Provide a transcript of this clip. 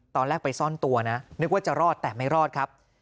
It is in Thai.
ตอนแรกไปซ่อนตัวนะนึกว่าจะรอดแต่ไม่รอดครับ